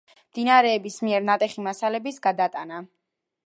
მდინარეების მიერ ნატეხი მასალების გადატანა.